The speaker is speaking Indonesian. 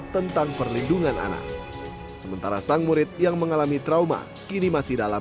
tentang perlindungan anak sementara sang murid yang mengalami trauma kini masih dalam